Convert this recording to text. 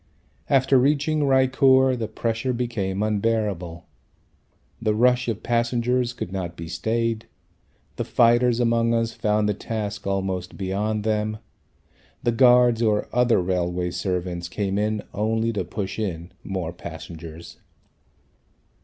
After reaching Raichur the pressure became unbearable. The rush of passengers could not be stayed. The fighters among us found the task almost beyond them. The guards or other railway servants came in only to push in more passengers.